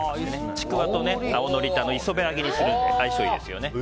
ちくわと青のりって磯辺揚げにするので相性いいですよね。